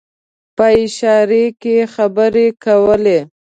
په اشاره کې خبرې کولې.